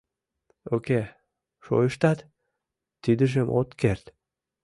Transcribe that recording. Уке, шойыштат, тидыжым от керт.